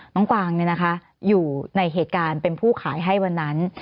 กวางอยู่ในเหตุการณ์เป็นผู้ขายให้วันนั้น